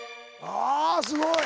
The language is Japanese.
あすごい！